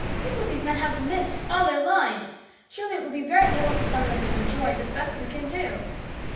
Think what these men have missed all their lives ! Surely it will be very little for some of them to enjoy, the best we can do.